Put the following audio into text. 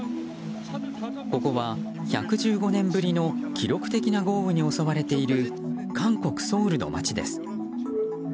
ここは１１５年ぶりの記録的な豪雨に襲われている韓国ソウルの街です。